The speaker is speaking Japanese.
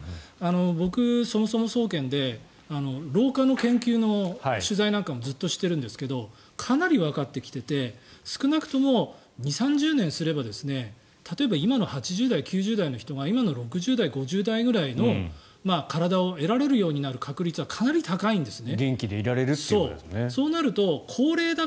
僕、そもそも総研で老化の研究の取材なんかもずっとしているんですがかなりわかってきていて少なくとも２０３０年すれば例えば今の８０代、９０代の人が今の６０代、５０代くらいの体を得られるようになる確率はかなり高いんですね。